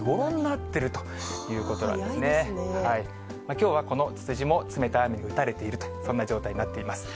きょうはこのつつじも冷たい雨に打たれていると、そんな状態になっています。